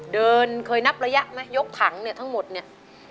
เดินเคยนับระยะไหมยกถังเนี่ยทั้งหมดเนี่ย